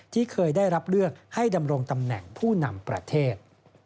ที่เคยได้รับเลือกให้ดำรงตำแหน่งผู้นำประเทศ